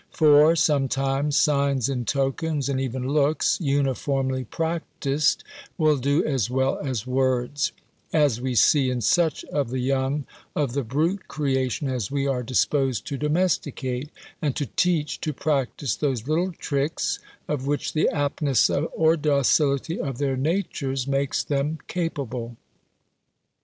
For, sometimes, signs and tokens (and even looks), uniformly practised, will do as well as words; as we see in such of the young of the brute creation as we are disposed to domesticate, and to teach to practise those little tricks, of which the aptness or docility of their natures makes them capable.